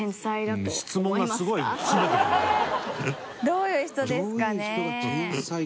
どういう人ですかね。